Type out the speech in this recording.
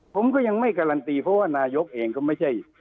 ผมก็ยังไม่การันตีเพราะว่านายกเองก็ไม่ใช่